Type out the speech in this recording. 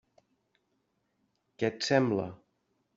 Què et sembla?